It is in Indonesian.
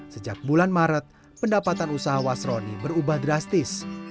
sejak bulan maret pendapatan usaha wasroni berubah drastis